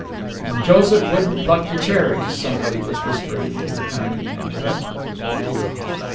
"... and Joseph wouldn't pluck the cherries," somebody was whispering to the tiny Angela....